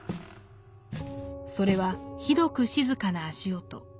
それはひどく静かな足音。